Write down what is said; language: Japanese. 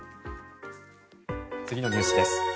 次のニュースです。